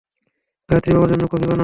গায়ত্রী, বাবার জন্য কফি বানা।